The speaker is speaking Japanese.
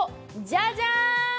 じゃじゃーん！